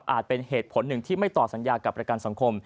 เป็นเหตุผลหนึ่งที่ไม่ต่อสัญญากับประกันสังคม